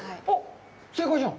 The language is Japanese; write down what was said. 正解じゃん！